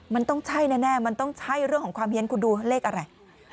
มันต้องใช่แน่มันต้องใช่เรื่องของความเฮียนคุณดูเลขอะไร